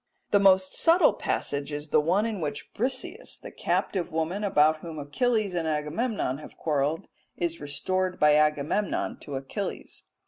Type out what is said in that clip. The most subtle passage is the one in which Briseis, the captive woman about whom Achilles and Agamemnon have quarrelled, is restored by Agamemnon to Achilles.